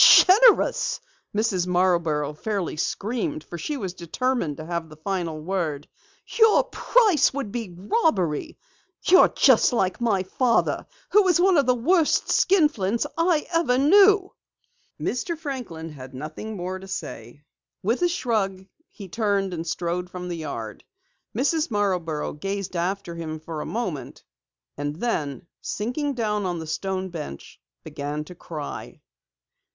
"Generous!" Mrs. Marborough fairly screamed for she was determined to have the final word. "Your price would be robbery! You're just like your father, who was one of the worst skinflints I ever knew!" Mr. Franklin had nothing more to say. With a shrug, he turned and strode from the yard. Mrs. Marborough gazed after him for a moment, and then sinking down on the stone bench, began to cry.